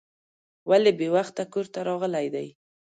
ولې بې وخته کور ته راغلی دی.